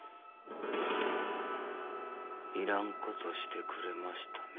いらんことしてくれましたね。